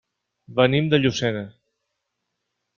Venim de Llucena.